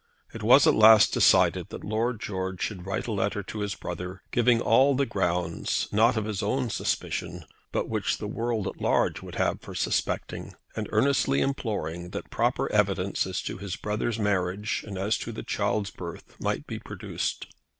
It was at last decided that Lord George should write a letter to his brother, giving all the grounds, not of his own suspicion, but which the world at large would have for suspecting; and earnestly imploring that proper evidence as to his brother's marriage and as to the child's birth, might be produced.